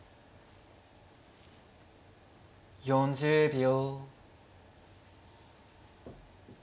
４０秒。